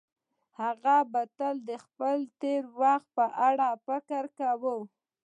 هغه به تل د خپل تېر وخت په اړه فکر کاوه.